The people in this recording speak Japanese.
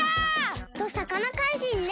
きっとさかなかいじんね！